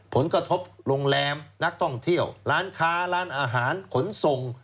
ผลกระทบโรงแรมนักท่องเที่ยวร้านค้าร้านอาหารขนส่ง